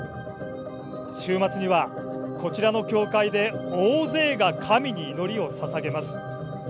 週末にはこちらの教会で大勢が神に祈りをささげます。